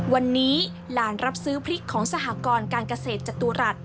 วันนี้หลานรับซื้อพริกของสหกรการเกษตรจตุรัส